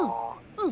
うん。